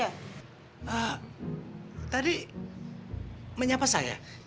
ah tadi menyiapkan saya